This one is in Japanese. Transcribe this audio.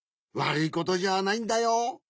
わるいことじゃないんだよ。